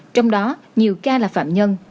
trong đó nhiều ca là phạm nhân